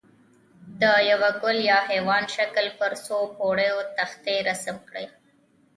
د یوه ګل یا حیوان شکل پر څو پوړه تختې رسم کړئ.